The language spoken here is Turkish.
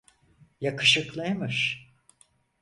Yakışıklıymış.